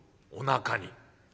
「おなかに」。